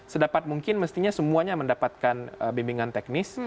sedapat mungkin mestinya semuanya mendapatkan bimbingan teknis